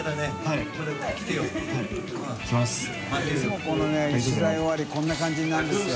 い弔このね取材終わりこんな感じになるんですよ。